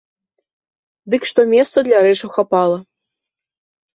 Дык што месца для рэчаў хапала.